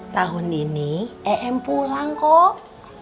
tahun ini em pulang kok